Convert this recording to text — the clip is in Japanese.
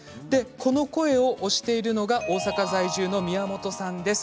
この声を推しているのが大阪在住の宮本さんです。